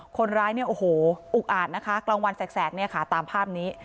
คนร้ายเนี่ยโอ้โหอุกอาจนะคะกลางวันแสกเนี่ยค่ะตามภาพนี้